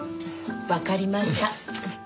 わかりました。